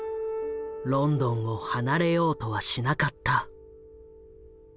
ロンドンを離れようとはしなかった。